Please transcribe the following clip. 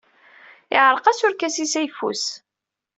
Yeɛreq-as urkas-is ayeffus.